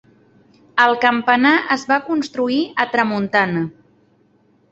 El campanar es va construir a tramuntana.